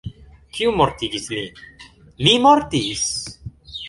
Kiu mortigis lin? Li mortis!